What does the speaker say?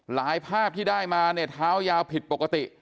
ภาพที่ได้มาเนี่ยเท้ายาวผิดปกติ